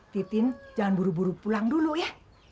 titin jangan buru buru pulang dulu ya